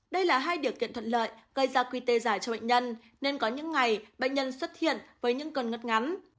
đây là hai điều kiện thuận lợi gây ra qt dài cho bệnh nhân nên có những ngày bệnh nhân xuất hiện với những cơn ngất ngắn